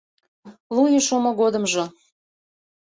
Лу ий шумо годымжо